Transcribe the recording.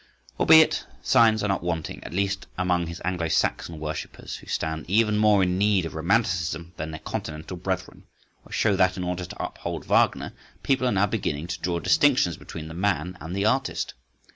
Albeit, signs are not wanting—at least among his Anglo Saxon worshippers who stand even more in need of romanticism than their continental brethren,—which show that, in order to uphold Wagner, people are now beginning to draw distinctions between the man and the artist.